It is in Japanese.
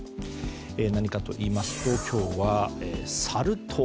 何かといいますと今日はサル痘。